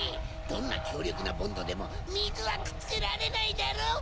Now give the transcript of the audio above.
どんなきょうりょくなボンドでもみずはくっつけられないだろ？